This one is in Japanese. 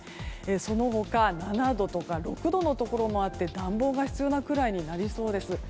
その他７度とか６度のところもあって暖房が必要なくらいになりそうです。